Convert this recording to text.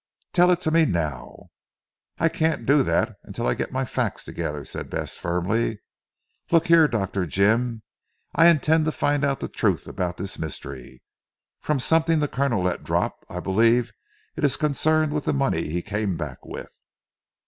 "Tell it to me now!" "I can't do that until I get my facts together," said Bess firmly, "Look here Dr. Jim, I intend to find out the truth about this mystery. From something the Colonel let drop, I believe it is concerned with the money he came back with."